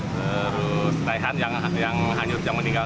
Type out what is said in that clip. terus taihan yang hanyut yang meninggal